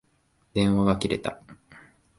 電話が切れた。